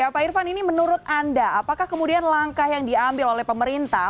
pak irfan ini menurut anda apakah kemudian langkah yang diambil oleh pemerintah